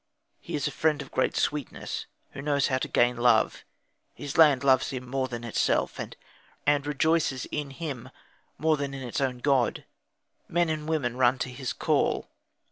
He is a friend of great sweetness, who knows how to gain love; his land loves him more than itself, and rejoices in him more than in its own god; men and women run to his call.